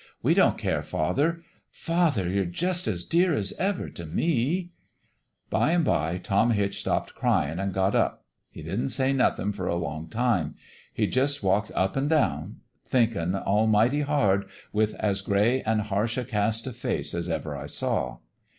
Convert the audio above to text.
' We won't care. Father father you're just as dear as ever t' me !'" By an' by Tom Hitch stopped cry in' an' got up. He didn't say nothin' for a long time : he jus' walked up an' down thinkin' al 230 What HAPPENED to TOM HITCH mighty hard with as gray an' harsh a cast o' face as ever I saw.